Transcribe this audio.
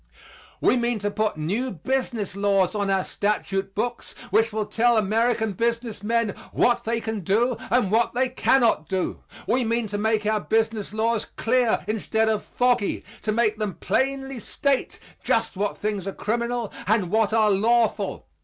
We mean to put new business laws on our statute books which will tell American business men what they can do and what they cannot do. We mean to make our business laws clear instead of foggy to make them plainly state just what things are criminal and what are lawful.